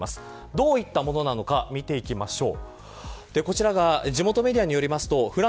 どういったものなのか見ていきましょう。